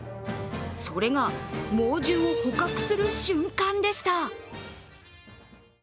それが猛獣を捕獲する瞬間でした。